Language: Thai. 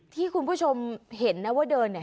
ที่คุณผู้ชมเห็นนะว่าเดินเนี่ย